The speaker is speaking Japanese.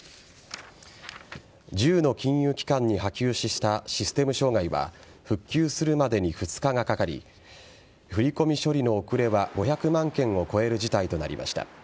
１０の金融機関に波及したシステム障害は復旧するまでに２日がかかり振り込み処理の遅れは５００万件を超える事態となりました。